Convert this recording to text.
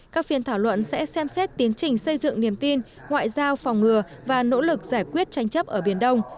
các phiên thảo luận sẽ xem xét tiến trình xây dựng niềm tin ngoại giao phòng ngừa và nỗ lực giải quyết tranh chấp ở biển đông